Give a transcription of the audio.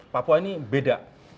papua ini beda